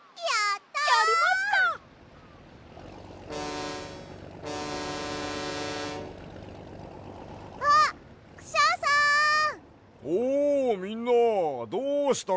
やった！